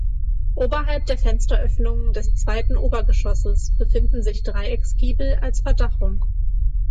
Oberhalb der Fensteröffnungen des zweiten Obergeschosses befinden sich Dreiecksgiebel als Verdachung.